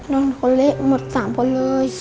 ผลเละหมดสามคนเลย